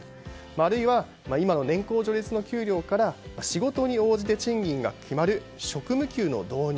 あるいは今の年功序列の給料から仕事に応じて賃金が決まる職務給の導入